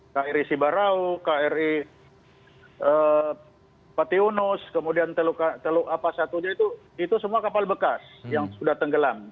kri sibarau kri patiunus kemudian teluk apa satunya itu semua kapal bekas yang sudah tenggelam